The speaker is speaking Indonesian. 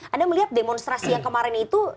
anda melihat demonstrasi yang kemarin itu